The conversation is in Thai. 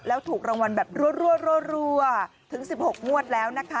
แล้วถูกรางวัลแบบรัวถึง๑๖งวดแล้วนะคะ